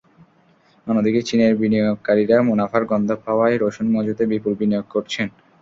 অন্যদিকে চীনের বিনিয়োগকারীরা মুনাফার গন্ধ পাওয়ায় রসুন মজুতে বিপুল বিনিয়োগ করছেন।